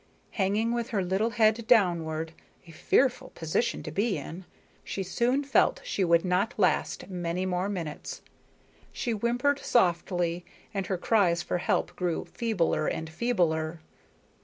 Hanging with her little head downward a fearful position to be in she soon felt she would not last many more minutes. She whimpered softly, and her cries for help grew feebler and feebler.